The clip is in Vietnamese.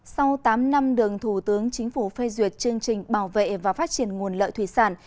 sau tám năm đường thủ tướng chính phủ phê duyệt chương trình bảo vệ và phát triển nguồn lợi thủy sản